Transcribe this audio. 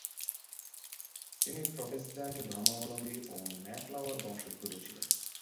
তিনি প্রটেস্ট্যান্ট ধর্মাবলম্বী ও মে ফ্লাওয়ার বংশোদ্ভূত ছিলেন।